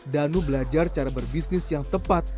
danu belajar cara berbisnis yang tepat